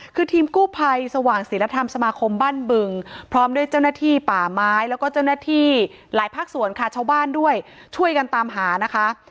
คือทีมกู้ภัยสว่างศิลธรรมสมาคมบ้านบึงพร้อมด้วยเจ้าหน้าที่ป่าไม้แล้วก็เจ้าหน้าที่หลายภาคส่วนค่ะชาวบ้านด้วยช่วยกันตามหานะคะ